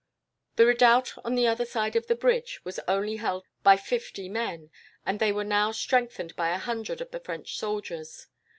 The redoubt on the other side of the bridge was only held by fifty men, and they were now strengthened by a hundred of the French soldiers.